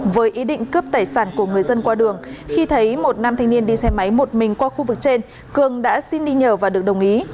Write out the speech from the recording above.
với ý định cướp tài sản của người dân qua đường khi thấy một nam thanh niên đi xe máy một mình qua khu vực trên cường đã xin đi nhờ và được đồng ý